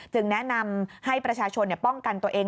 แนะนำให้ประชาชนป้องกันตัวเอง